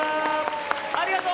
ありがと！